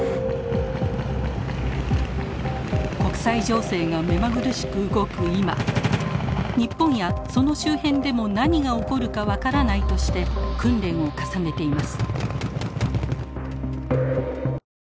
国際情勢が目まぐるしく動く今日本やその周辺でも何が起こるか分からないとして訓練を重ねています。